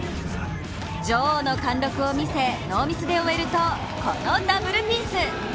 女王の貫禄を見せ、ノーミスで終えると、このダブルピース。